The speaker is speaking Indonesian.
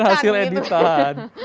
dan hasil edit an